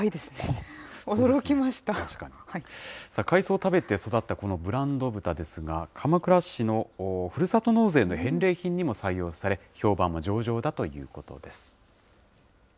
海藻を食べて育ったこのブランド豚ですが、鎌倉市のふるさと納税の返礼品にも採用され、評判も上々だということです。